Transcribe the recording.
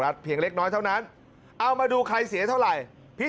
เพียงเล็กน้อยเท่านั้นเอามาดูใครเสียเท่าไหร่พี่